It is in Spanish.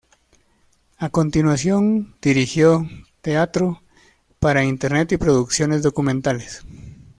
A continuación dirigió teatro para Internet y producciones documentales.